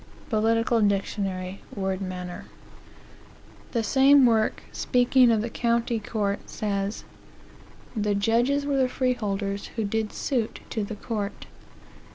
Political Dictionary, word Manor. The same work, speaking of the county court, says: "The judges were the freeholders who did suit to the court."